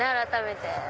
改めて。